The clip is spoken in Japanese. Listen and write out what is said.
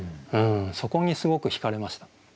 そこにすごくひかれました。